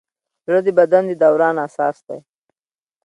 زړه د بدن د دوران اساس دی.